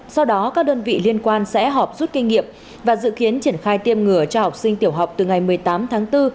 sau đó các đơn vị liên quan sẽ họp rút kinh nghiệm và dự kiến triển khai tiêm ngừa cho học sinh tiểu học từ ngày một mươi tám tháng bốn